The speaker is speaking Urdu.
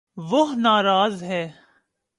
وہ نا راض ہے